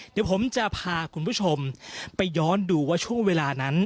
เดี๋ยวผมจะพาคุณผู้ชมไปย้อนดูว่าช่วงเวลานั้น